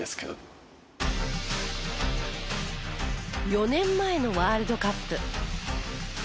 ４年前のワールドカップ。